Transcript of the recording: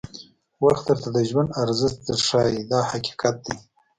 وخت درته د ژوند ارزښت در ښایي دا حقیقت دی.